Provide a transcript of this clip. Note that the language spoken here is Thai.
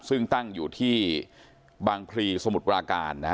ซึ่งตั้งอยู่ที่บางพลีสมุทรปราการนะฮะ